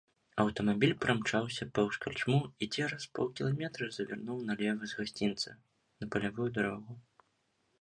Аўтамабіль прамчаўся паўз карчму і цераз паўкіламетра завярнуў налева з гасцінца, на палявую дарогу.